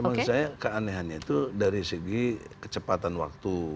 menurut saya keanehannya itu dari segi kecepatan waktu